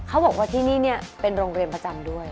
เขาบอกว่าที่นี่เป็นโรงเรียนประจำด้วย